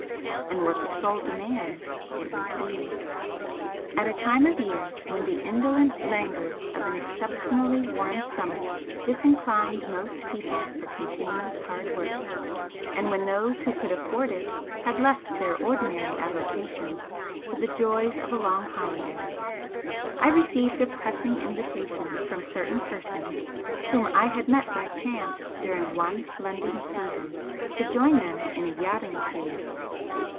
And what the Soul demands it receives. At a time of year when the indolent languors of an exceptionally warm summer disinclined most people for continuous hard work, and when those who could afford it had left their ordinary avocations for the joys of a long holiday, I received a pressing invitation from certain persons whom I had met by chance during one London season, to join them in a yachting cruise.